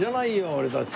俺たち。